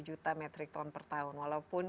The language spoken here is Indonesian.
walaupun kalau dibandingkan dengan perusahaan yang lain